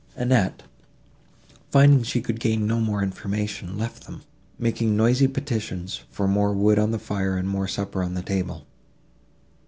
Annette, finding she could gain no information, left them, making noisy petitions, for more wood on the fire and more supper on the table.